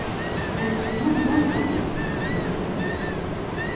"And who was this person?"